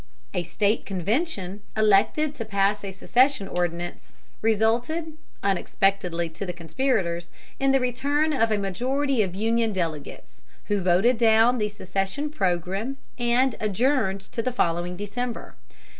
A State convention, elected to pass a secession ordinance, resulted, unexpectedly to the conspirators, in the return of a majority of Union delegates, who voted down the secession program and adjourned to the following December.